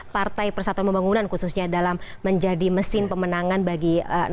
partai persatuan pembangunan khususnya dalam menjadi mesin pemenangan bagi